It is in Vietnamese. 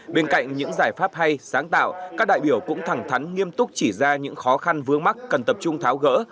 bên cạnh những giải pháp hay sáng tạo các đại biểu cũng thẳng thắn nghiêm túc chỉ ra những khó khăn vướng mắt cần tập trung tháo gỡ